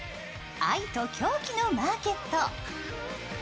愛と狂気のマーケット。